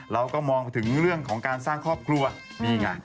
เราก็มองไปถึงเรื่องของการสร้างครอบครัวนี่ไง